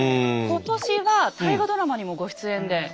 今年は大河ドラマにもご出演で。